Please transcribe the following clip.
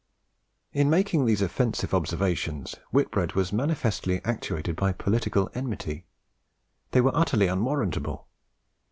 In making these offensive observations Whitbread was manifestly actuated by political enmity. They were utterly unwarrantable.